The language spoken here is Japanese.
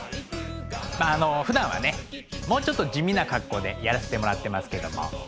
まああのふだんはねもうちょっと地味な格好でやらしてもらってますけれども。